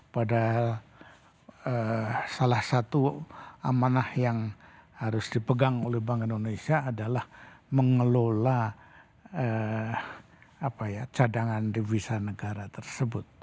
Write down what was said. padahal salah satu amanah yang harus dipegang oleh bank indonesia adalah mengelola cadangan devisa negara tersebut